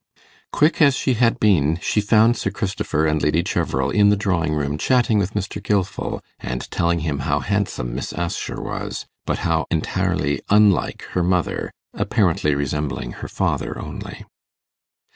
Quick as she had been, she found Sir Christopher and Lady Cheverel in the drawing room chatting with Mr. Gilfil, and telling him how handsome Miss Assher was, but how entirely unlike her mother apparently resembling her father only.